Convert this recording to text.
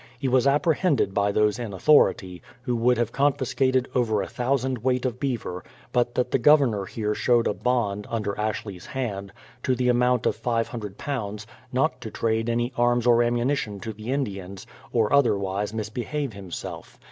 He was apprehended by those in authority, who would have confiscated over a thousand weight of beaver, but that the Governor here showed a bond, under Ashley's hand, to the amount of £500, not to trade any arms or ammunition to the Indians, or otherwise misbehave himself.